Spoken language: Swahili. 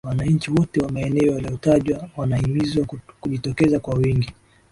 Wananchi wote wa maeneo yaliyotajwa wanahimizwa kujitokeza kwa wingi